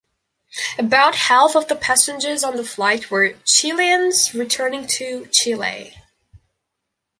About half of the passengers on the flight were Chileans returning to Chile.